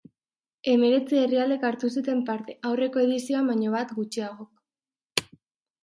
Hemeretzi herrialdek hartu zuten parte, aurreko edizioan baino bat gutxiagok.